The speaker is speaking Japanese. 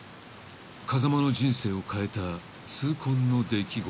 ［風間の人生を変えた痛恨の出来事］